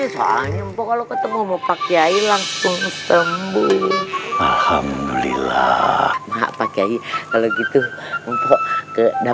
ini soalnya empok kalau ketemu pakai langsung sembuh alhamdulillah pakai kalau g smells